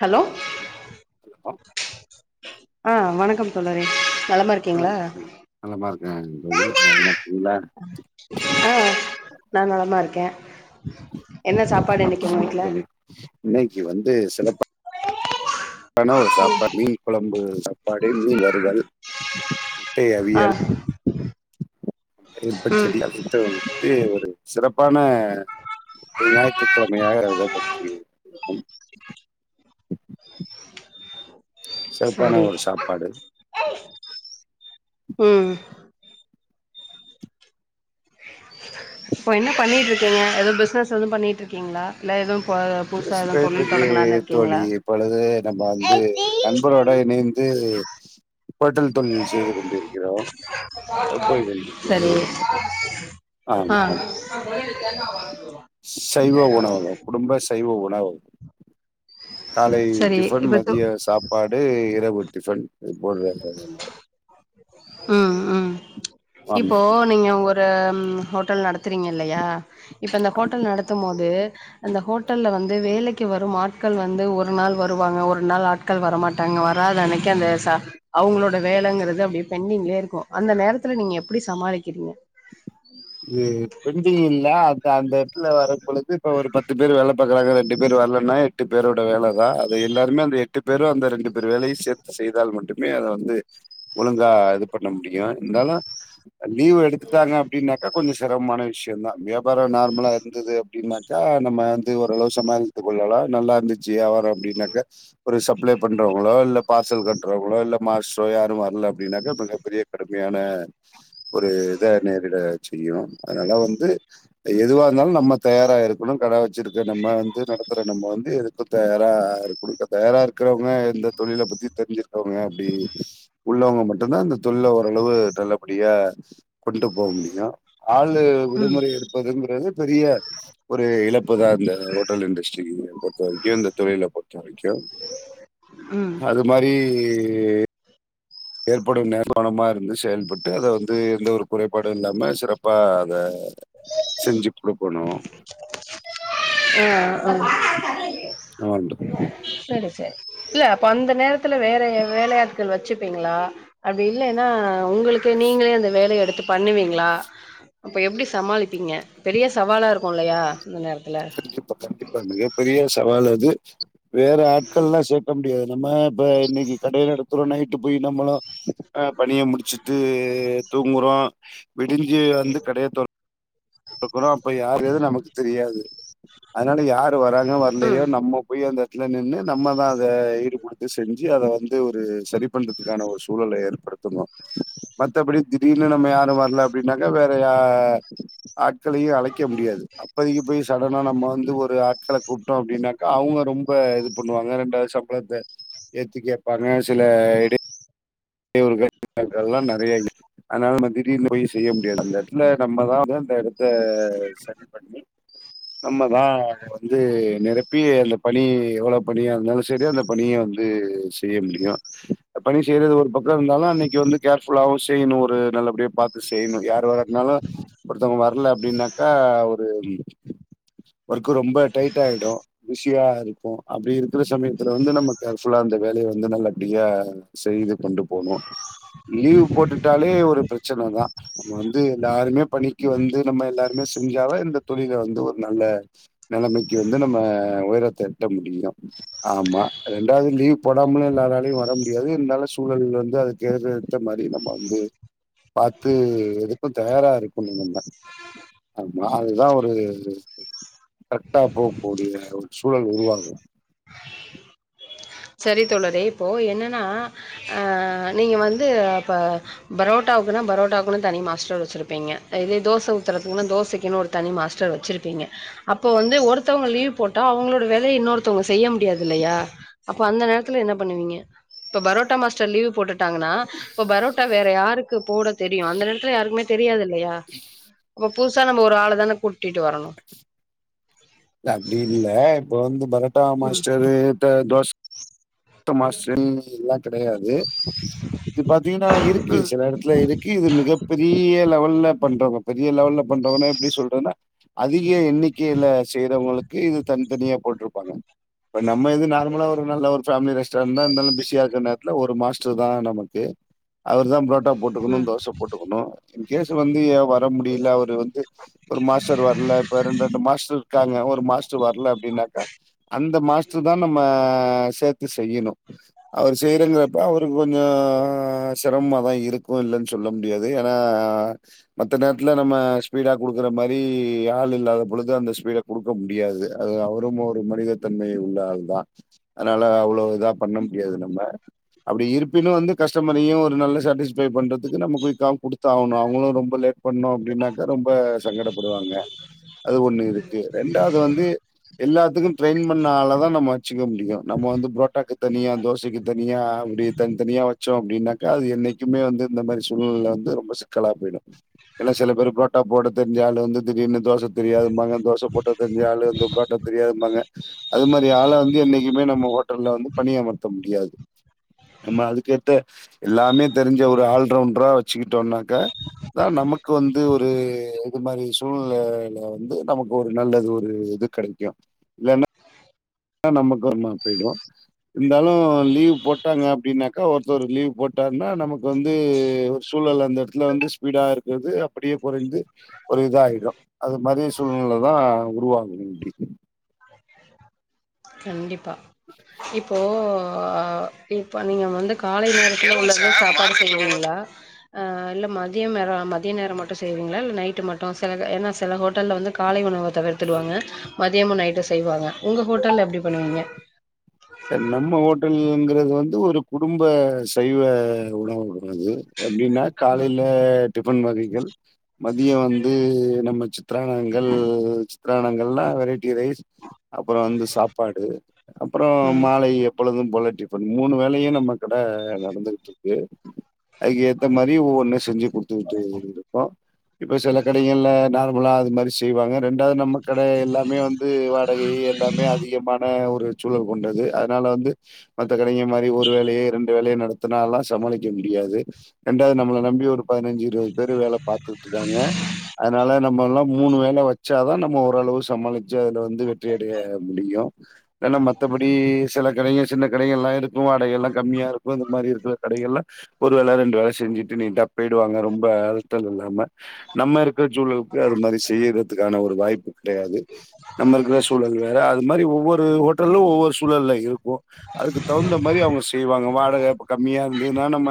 Hello [unintelligible] ஆ வணக்கம் தோழரே நலமா இருக் நலமா இருக்கே தோழி [unintelligible] ஆ நா நலமா இருக்கே என்ன சாப்பாடு இன்னைக்கு உங்க சொல்லுங்க வீட்ல தோழி இன்னைக்கு கனவா சாப்பாடு மீன் குழம்பு சாப்பாடு மீன் வறுவல் முட்டை ஆ அவியல் ம் தயிர்ப்பச்சேடி [unintelligible] ந்து ஒரு சிறப்பான ஒரு ஞாயிற்றுக்கிழமையாக [unintelligible] இருக்கும் சிறப்பான சரி ஒரு சாப்பாடு ம் இப்ப என்ன பண்ணிட்ருக்கிங்க எது பிஸ்னஸ் எதுவு பண்ணிட்ருக்கிங்களா ஸ் பேயிட்ருக்கு தோழி இருக்கீங்களா இப்பொழுது நம்ம வந்து நண்பரோட இணைந் து ஹோட்டல் தொழில் செய்து கொண்டி இருக்கிறோம் ஆ போய் கொண்டு இருக்கிறது சரி ஆ சைவ உணவகம் குடும்ப சைவ உணவகம் காலை சரி டிஃபன் இப்ப தொ மதிய சாப்பாடு இரவு டிஃபன் ரிப்போர்ட் வேற சரியில்ல ம் ம் ஆமா இப்போ நீங்க ஒரு அ ம் ஹோட்டல் நடத்துறீங்க இல்லயா இப்ப இந்த ஆமா. ஹோட்டல் நடத்து மோது அந்த ஹோட்டல்ல வந்து வேலைக்கு வரும் ஆட்கள் வந்து ஒரு நாள் வருவாங்க ஒரு நாள் ஆட் கள் வரமாட்டாங்க வராத அன்னைக்கு அந்த சா அவுங்ளோட வேலங்கிறது அப்டியே பெண்டிங்லே இருக்கு அந்த நேரத்துல நீங்க எப்டி சமாளிக்கிறீங்க இது பெண்டிங் இல்ல அந்த அந்த எட்த்துல வரு பொழுது இப்ப ஒரு பத்து பேர் வேல பாக்குறாங்க ரெண்டு பேர் வர்லன்னா எட்டு பேரோட வேலதா அது எல்லாருமே அந்த எட்டு பேரு அந்த ரெண்டு பேரு வேலயு சேத் த்து செய்தால் மட்டுமே அத வந்து ஒழுங்கா இது பண்ண முடியு இருந்தாலு லீவு எடுத்துட்டாங்க அப்டின்னாக்கா கொஞ்சோ செரம்மான விஷ்யோதா வியாபாரோ நார்மலாருந்தது அப்டின்னாக்கா நம்ம வந்து ஓரளவு சமாலித்து கொள்ளலா நல்லா இருந்துச்சி வியாபாரோ அப்டின்னாக்கா ஒரு சப்ளே பண்றவங்களோ இல்ல பார்சல் கற்றவங்களு இல்ல மாஸ்ட்றோ யாரு வர்ல அப்டின்னாக்க மிக பெரிய கடுமையான ஒரு இத நேரிட செய்யு அதனால வந்து எதுவா இருந்தாலு நம்ம தயாரா இருக்கணு கட வச்சிருக்க நம்ம வந்து நடத்துற நம்ம வந்து எதுக்கு தயாரா இருக் குடுக்க தயாரா இருக்கிறவங்க எந்த தொழில பத்தி தெரிஞ்சிருக்கவங்க அப்டி உள்ளவங்க மட்டுதா இந்த தொழில்ல ஓரளவு நல்லபடியா கொண்டு போ முடியு ஆளு ம் விடுமுறை எடுப்பதுங்கிறது பெரிய ஒரு இழப்புதா இந்த ஹோட்டல் இண்டஸ்ட்ரி பொறுத்த வரைக்கு இந்த தொழில பொறுத்த வரைக்கு ம் அது மாரி ஏற்படு [unintelligible] இருந்து செயல்பட்டு அத வந்து எந்த ஒரு குறைபாடு இல்லாம சிறப்பா அத செஞ்சி குடுக்கணு அ அ ஆ வண்டு செரி செரி இல்ல அப்ப அந்த நேரத்துல வேற வேலையாட்கள் வச்சுப்பீங்ளா அப்டி இல்லைன்னா உங்ளுக்கு நீங்ளே அந்த வேலய எடுத்து பண்ணுவீங்ளா அப்ப எப்டி சமாளிப்பீங்க பெரிய சவாலா இருக்கு இல்லயா இந்த நேரத்துல கண்டிப்பா கண்டிப்பா மிகப்பெரிய சவால் அது வேற ஆட்கள்லா சேர்க்கம் முடியாது நம்ம இப்ப இன்னைக்கு கடய நடத்துரோ நைட்டு போய் நம்மளு அ பனிய முடிச்சிட்டு தூங்குறோ விடிஞ்சி வந்து கடய தொர் குரோ போய் யாரு நமக்கு தெரியாது அதனால யாரு வராங்க வர்லயோ ம் நம்மோ போய் அந்த எட்த்துல நின்னு நம்மதா அத ஈடு குடுத்து செஞ்சி அத வந்து ஒரு செரி பண்ற துக்கான ஒரு சூழல ஏற்படுத்தணு மத்தபடி திடீர்னு நம்ம யாரு வர்ல அப்டின்னாக்க வேறயா ஆட்களயும் அழைக்க முடியாது அப் பதைக்கி போய் சடனா நம்ம வந்து ஒரு ஆட்கள கூப்ட்டோம் அப்டின்னாக்கா அவங்க ரொம்ப இது பண்ணுவாங்க ரெண்டாவதுசம் பளத்த ஏத்தி கேட்பாங்க சில இட [unintelligible] எல்லா நறையா இருக்கு அதனால வந்து எந்த உதவியு செய்ய முடியாது அந்த எட்த்துல நம்மதா வந்து அந்த எடத்த சரி பண்ணி நம்மதா அத வந்து நிரப்பி அந்த பணி எவ்ளோ பணியா இருந்தாலு செரி அந்த பணிய வந்து செய்ய முடியு பணி செய்றது ஒரு பக்கோ இருந்தாலு அன்னைக்கு வந்து கேர்ஃபுல்லாவு செய்ணு ஒரு நல்லபடியா பாத்து சென்னு யாரு வர்றதுனாலு ஒருத்தவங்க வர்ல அப்டின்னாக்கா ஒரு ஒர்க்கு ரொம்ப டைட் ஆயிடு ஈசியா இருக்கு அப்டி இருக்குற சமயத் இதுல வந்து நமக்கு ஆக்சுவலா அந்த வேலய வந்து நல்ல படியா செய்து கொண்டுப் போனு லீவ் போட்டுட்டாலே ஒரு பிரச்சன தா நம்ம வந்து எல்லாருமே பணிக்கு வந்து நம்ம எல்லாருமே செஞ்சாத இந்த தொழில வந்து ஒரு நல்ல நெலமைக்கு வந்து நம்ம உயரத்தை எட்ட முடியு ஆமா ரெண்டாவது லீவ் போடாமலு எல்லாராலயு வர முடியாது இருந்தாலு சூழல் வந் து அதுக்கேடுத்த மாரி நம்ம வந்து பாத்து எதுக்கு தயாரா இருக்கணு நம்ப ஆமா அதுதா ஒரு கரெட்டா போகக் கூடிய ஒரு சூழல் உருவாகு செரி தோழரே இப்போ என்னன்னா ஆ நீங்க வந்து அப்ப பரோட்டாவுக்குனா பரோட்டாவுக்கு தனி மாஸ்டர் வச்சிருப்பீங்க இதே தோச உத்துரதுக்குனா தோசைக்குன்னு ஒரு தனி மாஸ்டர் வச்சுருப்பீங்க அப்ப வந்து ஒருத்தவங்க லீவ் போட்டா அவுங்களோட வேலையை இன்னொருத்தவங்க செய்ய முடியாது இல்லையா அப்ப அந்த நேரத்துல என்ன பண்ணுவீங்க இப்ப பரோட்டா மாஸ்டர் லீவ் போட்டு டாங்கன்னா இப்ப பரோட்டா வேற யாருக்கு போட தெரியு அந்த நேரத்துல யாருக்குமே தெரியாது இல்லையா அப்ப புதுசா நம்ம ஒரு ஆள தானே கூட்டிட்டு வரணு அப்டி இல்ல இப்ப வந்து பரோட்டா மாஸ்டருட்ட தோஸ் ட்ட மாஸ்டர் எல்லா கிடையாது இது பாத்தீங்கன்னா இருக்கு ம், சில இடத் தில இருக்கு இது மிக பெரிய லெவல்ல பண்றவங்க பெரிய லெவல்ல பண்றவங்கன்னா எப்டி சொல்றதுன்னா அதிக எண்ணிக்கையில செய்யறவங்ளுக்கு இது தனித்தனியா போட்டுருப்பாங்க இப்ப நம்ம இது நார்மலா ஒரு நல்ல ஒரு ரெஸ்ட் தா இருந்தாலு பிசிய இருக்க நேரத்ல ஒரு மாஸ்டர் தா நமக்கு அவர் தா புரோட் டா போட்டுக்கணு ம். தோச போட்டுக்கணு இன்கேஸ் வந்து எ வர முடியல அவரு வந்து ஒரு மாஸ்டர் வரல இப்ப ரெண்டு ரெண்டு மாஸ்டர் இருக்காங்க ஒரு மாஸ் டர் வரல அப்டின்னாக்கா அந்த மாஸ்டர்தா நம்ம ஆ சேர்த்து செய்யனு அவர் செய்யறங்கறப்ப அவருக்கு கொஞ்சோ சிரம தா இருக்கு இல்லன்னு சொல்ல முடியாது ஏனா மத்த நேரத்துல நம்ம ஸ்பீடா குடுக்குற மாரி ஆள் இல்லாத பொழுது அந்த ஸ்பீட கொடுக்க முடியாது அது அவரு ஒரு மனித தன்மை உள்ள ஆள் தா அதனால அவ இதா பண்ண முடியாது நம்ம அப்டி இருப்பினு வந்து கஸ்டமரையு ஒரு நல்ல சாட்டிஸ் பே பண்றதுக்கு நம்ம குயிக்காவு கொடுத்தா ஆவுனு அவுங்களு ரொம்ப லேட் பண்ணோ அப்டின்னாக்கா ரொம்ப சங்கடப்படுவாங்க அது ஒண்ணு இருக்கு ரெண்டாவது வந்து எல்லாத்துக்கு ட்ரெயின் பண்ணா ஆளதா நம்ம வச்சுக்க முடியு நம்ம வந்து புரோட் டாக்கு தனியா தோசைக்கு தனியா அப்டி தனித்தனியா வச்சோ அப்டின்னாக்கா அது என்னைக்குமே வந்து இந்த மாரி சூழ்நிலைல வந்து ரொம்ப சிக்கலா போயிடு எல்லா சில பேர் புரோட்டா போட தெரிஞ்ச ஆளு வந்து திடீர்னு தோச தெரியாதுபாங்க தோச போட்ட தெரிஞ்ச ஆளு வந்து புரோட்டா தெரியாதுபாங்க அது மாரி ஆள வந்து என்னைக்குமே நம்ம ஹோட்டல்ல வந்து பணி அமர்த்த முடியாது நம்ம அதுக்கேத்த எல்லாமே தெரிஞ்ச ஒரு ஆல்ரவுண்டரா வச்சுக்கிட்டோம்னாக்க கா நமக்கு வந்து ஒரு இது மாரி சூழ்நிலைல வந்து நமக்கு ஒரு நல்லது ஒரு இது கடைக்கு இல்லன்னா னா நமக்கு ஒரு மாரி போயிடு இருந்தாலு லீவ் போட்டாங்க அப்டின்னாக்கா ஒருத்தர் லீவ் போட்டாருன்னா நமக்கு வந்து சூழ்நில அந்த இடத்துல வந்து ஸ்பீடா இருக்கிறது அப்டியே குறைந்து ஒரு இதாயிடு அது மாரி சூழ்நில தா உருவாகணு இப்டி கண்டிப்பா இப்போ ஓ இப்ப நீங்க வந்து காலை நேரத்துல உள்ளததா சாப்பாடு செய்வீங்களா ஆ இல்ல மதியம் நேர மதிய நேரம் மட்டு செய்வீங்களா இல்ல நைட்டு மட்டு சிலரு ஏன்னா சில ஹோட்டல்ல வந்து காலை உணவ தவிர்த்துடுவாங்க மதியமு நைட்டு செய்வாங்க உங்க ஹோட்டல்ல எப்டி பண்ணுவாங்க நம்ம ஹோட்டலங்கிறது வந்து ஒரு குடும்ப சைவ உணவு என்னுது எப்டின்னா காலையில டிஃபன் வகைகள் மதிய வந்து நம்ம சித்திரானங்கள் சித்திரானங்கள்னா வெரைட்டி ரைஸ் அப்பற வந்து சாப்பாடு அப்புற ம் மாலை எப்பொழுதும் போல டிபன் மூனு வேலையு நம்ம கட நடந்துகிட்ருக்கு அதுக்கு ஏத்த மாரி ஒவ்வொண்ணு செஞ்சு குடுத்துக்கிட்டு இருக்கோ இப்ப சில கடைங்கல்ல நார்மலா அது மாரி செய்வாங்க ரெண்டாவது நம்ம கடை எல்லாமே வந்து வாடகை எல்லாமே அதிகமான ஒரு டி சூழல் கொண்டது அதனால வந்து மத்த கடைங்க மாரி ஒரு வேலைய ரெண்டு வேலையு நடத்துனா எல்லா சமாளிக்க முடியாது ரெண்டாவது நம்மள நம்பி ஒரு பதினஞ்சு இருவது பேரு வேல பாத்துகிட்ருக்காங்க அதனால நம்ம எல்லா மூனு வேள வச்சாதா நம்ம ஓளவு சமாளிச் சா அதுல வந்து வெற்றி அடைய முடியு ஏன்னா மத்தபடி சில கடைகள் சின்ன கடைகள் எல்லா இருக்கு வாடகைகள் எல்லா கம்மியா இருக்கு இந்த மாரி இருக்கு கடைகல்ல ஒரு வேள ரெண்டு வேள செஞ்சுட்டு நீட்டா பொய்டுவாங்க ரொம்ப அழுத்த இல்லாம நம்ம இருக்கிற சூழலுக்கு அது மாரி செய்யறதுக்கான ஒரு வாய்ப்பு கிடையாது நம்ம இருக்கிற சூழல் வேற அது மாரி ஒவ்வொரு ஹோட்டல்லு ஒவ்வொரு சூழல்ல இருக்கு அதுக்கு தகுந்த மாரி அவுங்க செய்வாங்க வாடக கம்மியா இருந்ததுன்னா நம்ம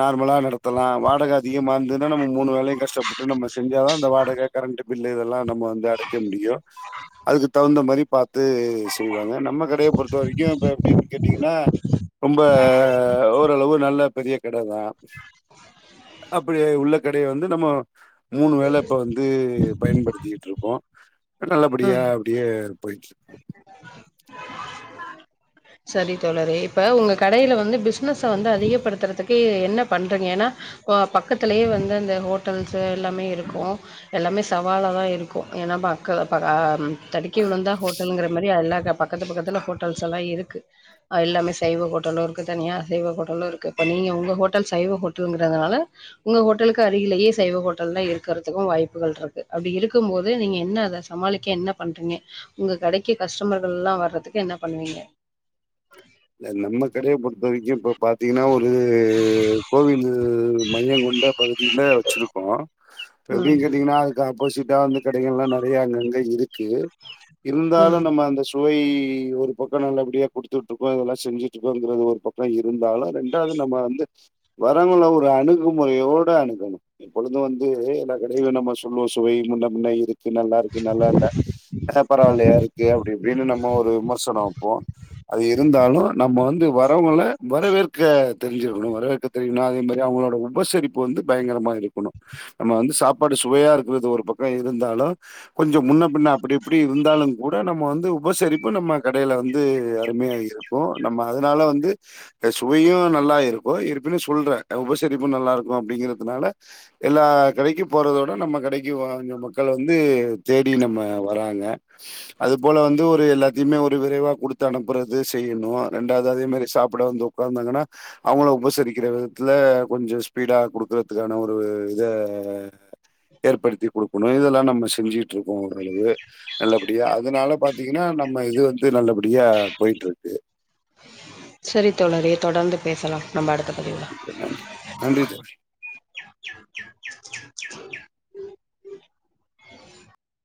நார்மலா நடத்தலா வாடக அதிகமா இருந்ததுன்னா நம்ம மூனு வேலையு கஷ்டப்பட்டு நம்ம செஞ்சாதா அந்த வாடக கரண்ட்டு பில்லு இதெல்லா நம்ம வந்து அடைக்க முடியு அதுக்கு தகுந்த மாதிரி பாத்து செய்வாங்க நம்ம கடைய பொறுத்த வரைக்கு இப்ப எப்டின் கேட்டீங்கன்னா ரொம்ப ஓரளவு நல்ல பெரிய கடதா அப்டி உள்ள கடையில வந்து நம்மோ மூனு வேள இப்ப வந்து பயன்படுத்திக்கிட்ருக்கோ எல்லா நல்லபடியா ம் அப்டியே போய்ட்டுருக் சரி தோழரே இப்ப உங்க கடைல வந்து பிஸ்னஸ வந்து அதிகப்படுத்துறதுக்கு என்ன பண்றீங்க ஏன்னா இப்ப பக்கத்திலேயே வந்து அந்த ஹோட்டல்ஸ் எல்லாமே இருக்கு எல்லாமே சவாலாதா இருக்கு ஏன்னா மக்களா [unintelligible] தடுக்கி விழுந்தா ஹோட்டல்ங்கிற மாரி எல்லா பக்கத்து பக்கத்துல ஹோட்டல்ஸ் எல்லா இருக்கு அ எல்லாமே சைவஹோட்டலு இருக்கு தனியா அசைவஹோட்டலு இருக்கு நீங்க உங்க ஹோட்டல் சைவ ஹோட்டலுங்கறதுனால ஒங்க ஹோட்டலுக்கு அருகிலேயே சைவ ஹோட்டல்லா இருக்கிறதுக்கு வாய்ப்புகள் இருக்கு அப்டி இருக்கும் போது நீங்க என்ன அத சமாளிக்க என்ன பண்றீங்க உங்க கடைக்கு கஸ்டமர்கள்ல்லா வர்றதுக்கு என்ன பண்ணுவீங்க இல்ல நம்ம கடைய பொருத்த வரைக்கு இப்போ பாத்தீங்கன்னா ஒரு கோவிலு மையங்கொண்ட பகுதியில வச்சுருக்கோ எப்டின் ம் கேட்டீங்கன்னா அதுக்கு ஆப்போசிட்டா அந்த கடைகள்லா நெறைய அங்கங்க இருக்கு இருந்தாலு ம் நம்ம அந்த சுவை ஒரு பக்க நல்லபடியா குடுத்துட்ருக் கோ இதெல்லா செஞ்சிட்ருக்கோங்கிறது ஒரு பக்க இருந்தாலு ரெண்டாவது நம்ம வந்து வரவங்கள ஒரு அணுகுமுறையோட அணுகனு எப்பொழுது வந்து எல்லா கடைளையு நம்ம சொல்லுவோ சுவை முன்ன பின்ன இருக் கு நல்லாருக்கு நல்லால்ல பரவாயில்லையா இருக்கு அப்டி இப்டின்னு நம்ம ஒரு விமர்சனோ போ அது எ இருந்தாலு நம்ம வந்து வரவங்கள வரவேற்க தெரிஞ்சுக்கணு வரவேற்க தெரன்னு அதே மாரி அவங்களோட உபசரிப் இப்ப வந்து பயங்கரமா இருக்கணு நம்ம வந்து சாப்பாடு சுவையா இருக்கறது ஒரு பக்க இருந்தாலு கொஞ்சோ முன்ன பின்ன அப்டி இப்டி இருந்தாலு கூட நம்ம வந்து உபசரிப்பு நம்ம கடையில வந்து அருமையா இருக்கு நம்ம அதனால வந்து அ சுவையு நல்லா இருக்கு இருப்பினு சொல்றே உபசரிப்பு நல்லா இருக்கு அப்டிங்கறதுனால எல்லா கடைக்கு போறதோட நம்ம கடைக்கு வாங்க மக்கள் வந்து தேடி நம்ம வராங்க அது போல வந்து ஒரு எல்லாத்தையுமே ஒரு விரைவா குடுத்து அனுப்புற து செய்யணு ரெண்டாவது அதே மாரி சாப்ட்ட வந்து உக்காந்தாங்கன்னா அவுங்கள உபசரிக்கிற விதத்துல கொஞ்சோ ஸ்பீடா குடுக்குறதுக்கான ஒரு இத ஏற்படுத்தி குடுக்கணு இதுலா நம்ம செஞ்சுட்டுருக்கோ ஓர் அளவு நல்லபடியா அதனால பாத்தீங்கன்னா நம்ம இது வந்து நல்லபடியா போய்ட்டுருக்கு செரி தோழரே தொடந்து பேசலா நம்ம அடுத்த பதிவு நன்றி நன்றி தோழி